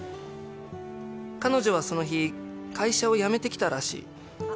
彼女はその日会社を辞めてきたらしい。